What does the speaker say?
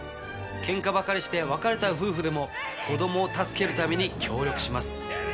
ケンカばかりして別れた夫婦でも子供を助けるために協力します。